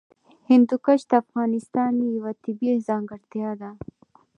هندوکش د افغانستان یوه طبیعي ځانګړتیا ده.